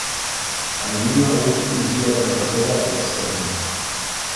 Ә ниңә ул Лидияға «Хәтирә!» - тип ҡысҡырҙы?!